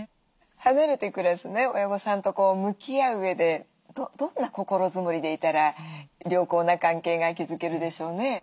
離れて暮らす親御さんと向き合ううえでどんな心づもりでいたら良好な関係が築けるでしょうね？